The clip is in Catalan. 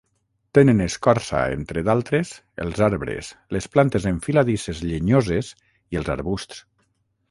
Tenen escorça, entre d'altres, els arbres, les plantes enfiladisses llenyoses i els arbusts.